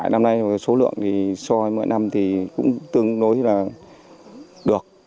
năm nay số lượng thì so với mỗi năm thì cũng tương đối là được